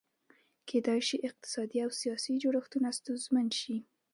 کېدای شي اقتصادي او سیاسي جوړښتونه ستونزمن وي.